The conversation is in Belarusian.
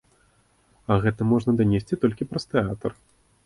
А гэта можна данесці толькі праз тэатр.